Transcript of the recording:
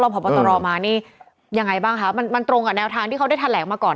ลองพอบัตรรอมานี่ยังไงบ้างมันตรงกับแนวทางที่เขาได้ทันแหลกมาก่อน